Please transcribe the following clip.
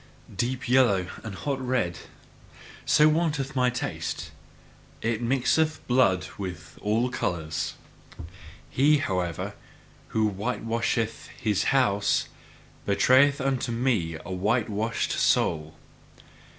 Deep yellow and hot red so wanteth MY taste it mixeth blood with all colours. He, however, who whitewasheth his house, betrayeth unto me a whitewashed soul.